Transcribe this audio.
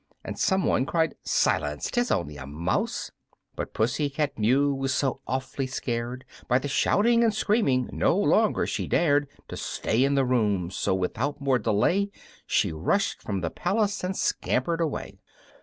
And some one cried "Silence! it's only a mouse!" But Pussy cat Mew was so awfully scared By the shouting and screaming, no longer she dared To stay in the room; so without more delay She rushed from the palace and scampered away!